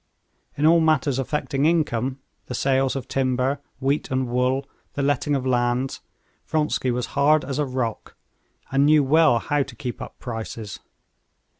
In all matters affecting income, the sales of timber, wheat, and wool, the letting of lands, Vronsky was hard as a rock, and knew well how to keep up prices.